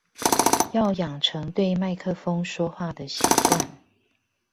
要養成對麥克風說話的習慣